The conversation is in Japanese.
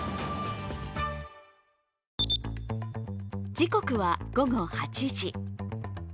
時刻は午後８時。